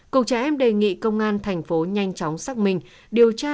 cục trẻ em đề nghị công an thành phố nhanh chóng xác minh